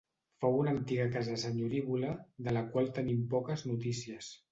Fou una antiga casa senyorívola de la qual tenim poques notícies.